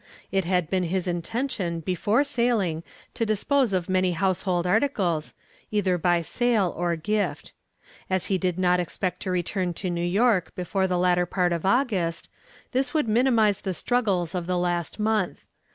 It had been his intention before sailing to dispose of many household articles, either by sale or gift. As he did not expect to return to New York before the latter part of August, this would minimize the struggles of the last month.